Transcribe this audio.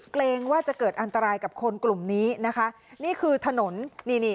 เกรงว่าจะเกิดอันตรายกับคนกลุ่มนี้นะคะนี่คือถนนนี่นี่